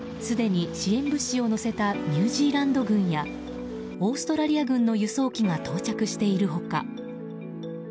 すでに支援物資を載せたニュージーランド軍やオーストラリア軍の輸送機が到着している他